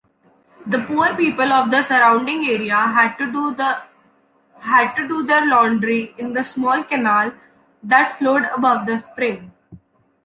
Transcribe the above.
The poor people of the surrounding area had to do their laundry in the small canal that flowed above the spring.